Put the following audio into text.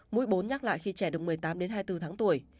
mũi bốn nhắc lại khi trẻ được một mươi tám đến hai mươi bốn tháng tuổi